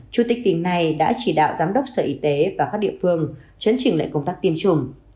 chủ tịch tỉnh này đã chỉ đạo giám đốc sở y tế và các địa phương chấn trình lại công tác tiêm chủng